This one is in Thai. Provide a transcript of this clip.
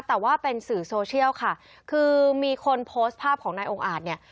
แต่ว่าเป็นสื่อโซเชียลค่ะคือมีคนโพสต์ภาพของนายองค์อาจเนี่ย